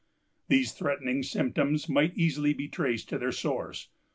These threatening symptoms might easily be traced to their source.